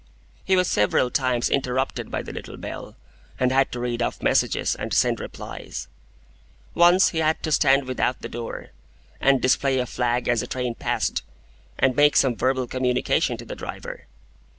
He was several times interrupted by the little bell, and had to read off messages, and send replies. Once he had to stand without the door, and display a flag as a train passed, and make some verbal communication to the driver.